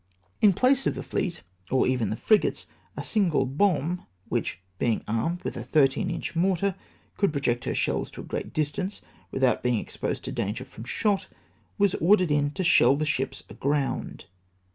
In place of the fleet, or even the frigates, a single bomb, which, bemg armed with a 13 inch mortar, could project her shells to a great distance, without being ex posed to danger from shot, was ordered in to shell the ships aground.